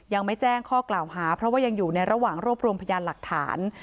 ยังไม่แจ้งข้อกล่าวหาเพราะว่ายังอยู่ในระหว่างรวบรวมพยานหลักฐาน